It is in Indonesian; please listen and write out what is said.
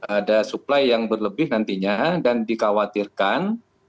ada suplai yang berlebih nantinya dan dikhawatirkan